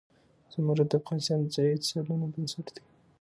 زمرد د افغانستان د ځایي اقتصادونو بنسټ دی.